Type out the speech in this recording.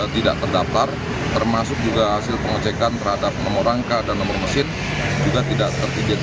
tidak terdaftar termasuk juga hasil pengecekan terhadap nomor rangka dan nomor mesin juga tidak teridentifikasi